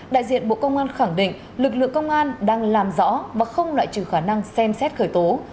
đại diện bộ công an khẳng định lực lượng công an đang làm rõ và không loại trừ khả năng xem xét khởi tố